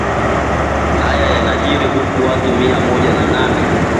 Haya yanajiri huku watu mia moja na nane